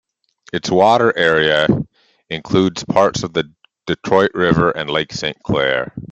Its water area includes parts of the Detroit River and Lake Saint Clair.